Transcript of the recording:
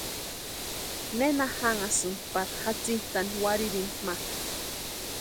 ¿Nena janhasïni pari jatsintani warhirini ma?